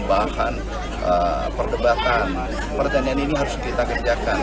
pertanian ini harus kita kerjakan